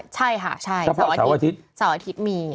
ใช่ค่ะใช่เสาร์อาทิตย์มี